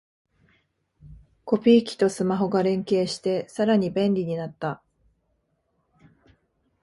コピー機とスマホが連携してさらに便利になった